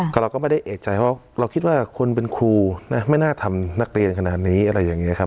ก็เราก็ไม่ได้เอกใจเพราะเราคิดว่าคนเป็นครูไม่น่าทำนักเรียนขนาดนี้อะไรอย่างนี้ครับ